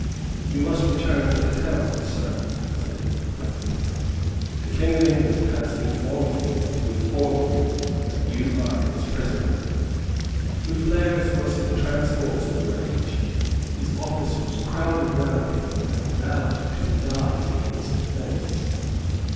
"You must return to the town, Sir," said Dykvelt. "The King of England has ordered me to inform you that you are his prisoner." Boufflers was in transports of rage. His officers crowded round him and vowed to die in his defence.